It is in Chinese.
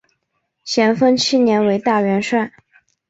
咸丰七年为大元帅。